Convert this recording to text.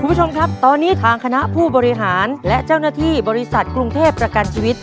คุณผู้ชมครับตอนนี้ทางคณะผู้บริหารและเจ้าหน้าที่บริษัทกรุงเทพประกันชีวิต